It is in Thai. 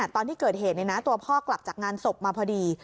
ตอนที่เกิดเหตุตัวพ่อกลับจากงานศพมาพอดี